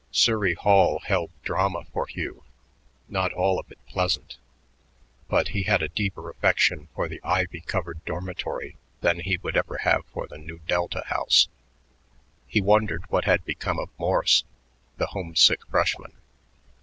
Surrey Hall held drama for Hugh, not all of it pleasant, but he had a deeper affection for the ivy covered dormitory then he would ever have for the Nu Delta House. He wondered what had become of Morse, the homesick freshman.